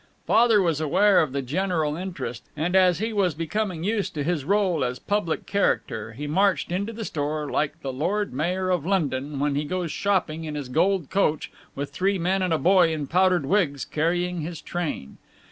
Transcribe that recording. Father was aware of the general interest, and as he was becoming used to his rôle as public character, he marched into the store like the Lord Mayor of London when he goes shopping in his gold coach with three men and a boy in powdered wigs carrying his train.